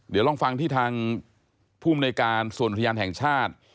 เดี๋ยวลองฟังที่ทางภูมิในการส่วนอุทยานแห่งชาติ